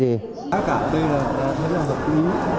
giá cả đây là rất là vật lý